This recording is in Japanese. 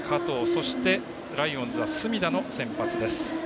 そして、ライオンズは隅田の先発。